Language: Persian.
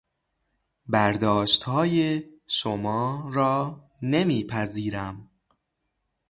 برداشتهای شما را نمیپذیرم.